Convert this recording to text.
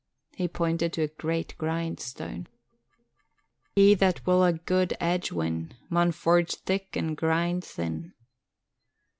He pointed to a great grindstone. 'He that will a guid edge win, Maun forge thick an' grind thin.'